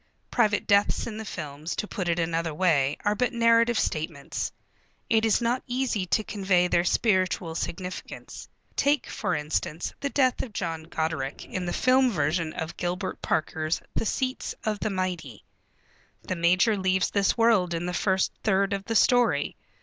Private deaths in the films, to put it another way, are but narrative statements. It is not easy to convey their spiritual significance. Take, for instance, the death of John Goderic, in the film version of Gilbert Parker's The Seats of the Mighty. The major leaves this world in the first third of the story.